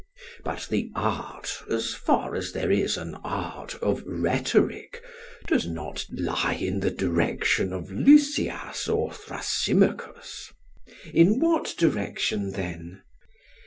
But the art, as far as there is an art, of rhetoric does not lie in the direction of Lysias or Thrasymachus. PHAEDRUS: In what direction then?